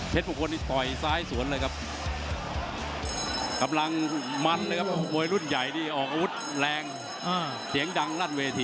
เทศบุคคลที่ต่อยซ้ายสวนเลยครับ